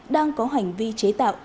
đang có hành vi chế tạo